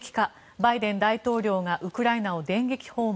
バイデン大統領がウクライナを電撃訪問。